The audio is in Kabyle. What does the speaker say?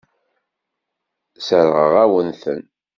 Sseṛɣeɣ-awen-ten.